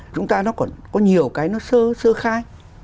chúng ta nó còn có nhiều cái nó sơ khai